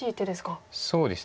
そうですね。